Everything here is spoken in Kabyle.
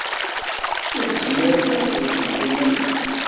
Ur tezmireḍ ad tbeddleḍ iman-ik.